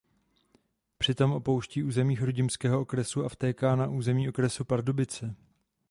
Přitom opouští území chrudimského okresu a vtéká na území okresu Pardubice.